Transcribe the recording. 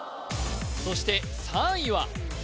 そして３位は？